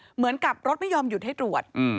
เหมือนกับรถไม่ยอมหยุดให้ตรวจ